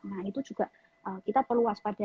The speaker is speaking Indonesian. nah itu juga kita perlu waspada